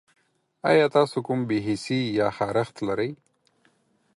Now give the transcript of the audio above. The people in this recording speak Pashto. ایا تاسو کوم بې حسي یا خارښت لرئ؟